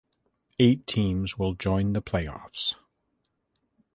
Eight teams will join the playoffs.